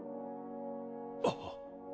あっ！